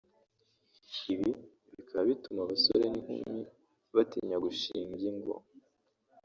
ibi bikaba bituma abasore n’inkumi batinya gushinga ingo